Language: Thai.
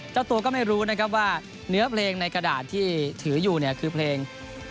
เจ้าตัวก็ไม่รู้นะครับว่าเนื้อเพลงในกระดาษที่ถืออยู่เนี่ยคือเพลง